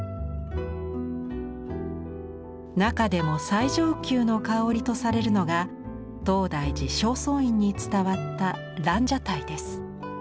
中でも最上級の香りとされるのが東大寺正倉院に伝わった「蘭奢待」です。